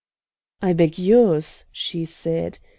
"I beg yours," she said.